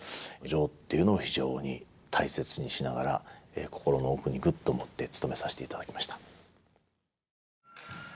「情」っていうのを非常に大切にしながら心の奥にぐっと持ってつとめさせていただきました。